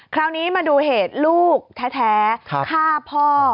คราวนี้มาดูเหตุลูกแท้ฆ่าพ่อ